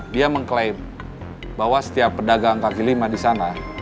dia mengklaim bahwa setiap pedagang kaki lima di sana